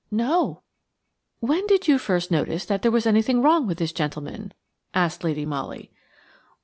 "No." "When did you first notice there was anything wrong with this gentleman?" asked Lady Molly.